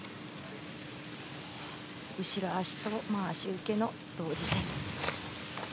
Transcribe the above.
後ろ足と回し受けの同時性。